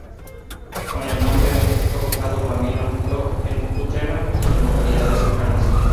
Con el nombre artístico fijado, Bambino actuó en Utrera y en localidades cercanas.